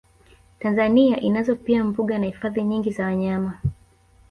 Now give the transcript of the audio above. Tanzania inazo pia mbuga na hifadhi nyingi za wanyama